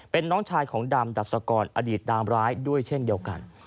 เป็นน้องชายของดำดัชกรอดีตดามร้ายด้วยเช่นเดียวกัน